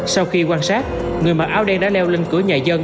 sau khi quan sát người mặc áo đen đã leo lên cửa nhà